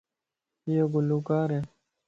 ايو گلو ڪار ائي